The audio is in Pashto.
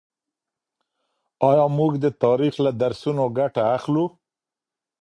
آيا موږ د تاريخ له درسونو ګټه اخلو؟